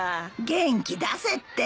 元気出せって。